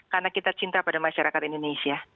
karena kita cinta pada masyarakat indonesia